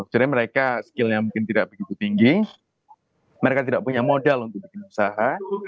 jadi mereka skillnya mungkin tidak begitu tinggi mereka tidak punya modal untuk membuat usaha